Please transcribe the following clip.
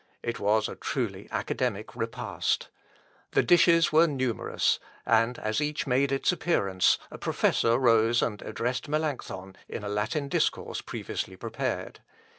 It was a truly academic repast. The dishes were numerous, and as each made its appearance, a professor rose and addressed Melancthon in a Latin discourse previously prepared.